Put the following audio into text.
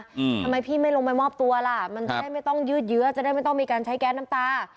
ทำไมพี่ไม่ลงไปมอบตัวล่ะมันจะได้ไม่ต้องยืดเยื้อจะได้ไม่ต้องมีการใช้แก๊สน้ำตา